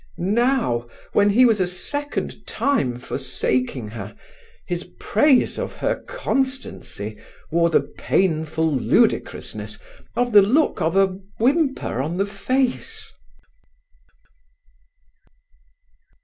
Now, when he was a second time forsaking her, his praise of her constancy wore the painful ludicrousness of the look of a whimper on the face.